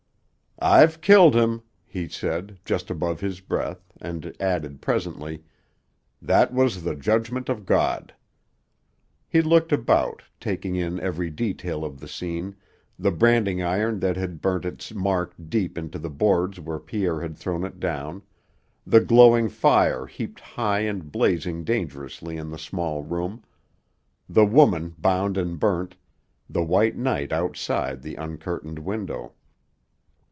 "I've killed him!" he said, just above his breath, and added presently, "That was the judgment of God." He looked about, taking in every detail of the scene, the branding iron that had burnt its mark deep into the boards where Pierre had thrown it down, the glowing fire heaped high and blazing dangerously in the small room, the woman bound and burnt, the white night outside the uncurtained window.